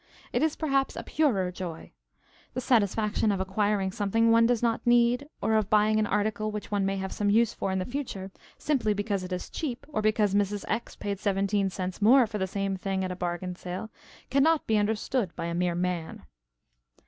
It is perhaps a purer joy. The satisfaction of acquiring something one does not need, or of buying an article which one may have some use for in the future, simply because it is cheap or because Mrs. X. paid seventeen cents more for the same thing at a bargain sale, can not be understood by a mere man.